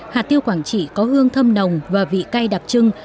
hạt tiêu quảng trị có hương thâm nồng và vị cay đặc trưng